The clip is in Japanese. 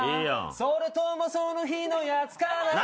それともその日のやつかな。